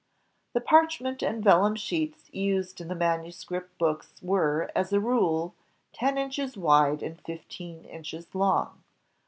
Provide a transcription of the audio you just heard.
The parchment and vellum sheets used in the manu script books were, as a rule, ten inches wide and fifteen inches long.